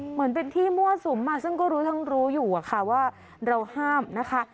เหมือนเป็นที่มั่วสุมซึ่งก็รู้ทั้งรู้อยู่อะค่ะว่าเราห้ามนะคะ